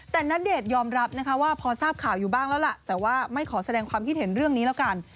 แต่ณเดชน์ยอมรับนะคะว่าพอทราบข่าวอยู่บ้างแล้วล่ะแต่ว่าไม่ขอแสดงความคิดเห็นเรื่องนี้แล้วกัน